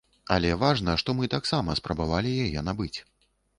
Але важна, што мы таксама спрабавалі яе набыць.